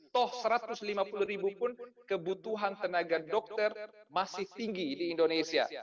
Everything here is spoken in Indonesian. toh satu ratus lima puluh ribu pun kebutuhan tenaga dokter masih tinggi di indonesia